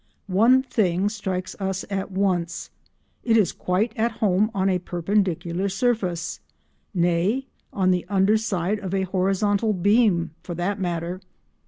One thing strikes us at once; it is quite at home on a perpendicular surface—nay, on the under side of a horizontal beam, for that matter.